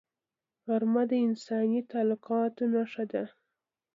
غرمه د انساني تعلقاتو نښانه ده